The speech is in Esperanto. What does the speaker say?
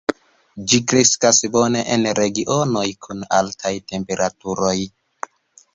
Ĝi kreskas bone en regionoj kun altaj temperaturoj.